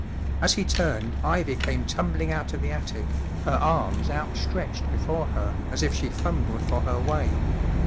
As he turned. Ivy came tumbling out of the attic, her arms out¬ stretched before her as if she fumbled for her way.